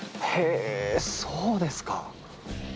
へぇそうですか。